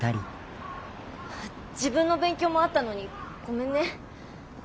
自分の勉強もあったのにごめんね。